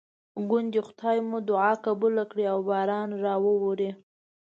ګوندې خدای مو دعا قبوله کړي او باران راواوري.